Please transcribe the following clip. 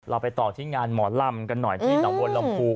เราไปต่อที่งานหมอนร่ำกันหน่อยที่หนังวลหลำภู